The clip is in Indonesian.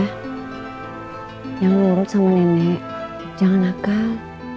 jangan ngurut sama nenek jangan nakal